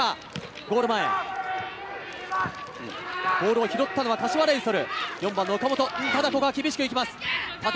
ゴール前、ボールを拾ったのは柏レイソル。